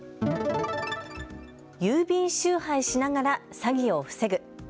郵便集配しながら詐欺を防ぐ。